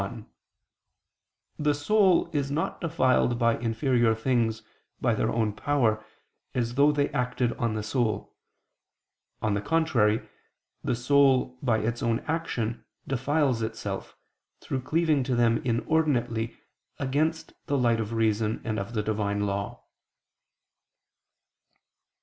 1: The soul is not defiled by inferior things, by their own power, as though they acted on the soul: on the contrary, the soul, by its own action, defiles itself, through cleaving to them inordinately, against the light of reason and of the Divine law.